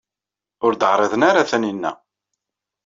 Ur d-ɛriḍen ara Taninna.